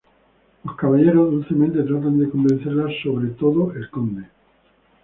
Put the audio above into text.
Los caballeros dulcemente tratan de convencerla, sobre todo el conde.